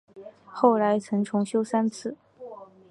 后来曾重修三次。